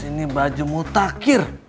ini baju mutakhir